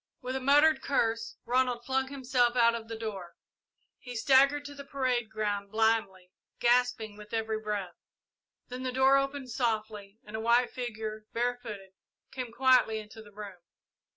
With a muttered curse, Ronald flung himself out of the room. He staggered to the parade ground blindly, gasping with every breath. Then the door opened softly and a white figure, barefooted, came quietly into the room.